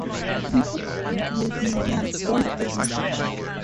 Republican Wil Neumann won the open seat.